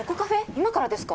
今からですか？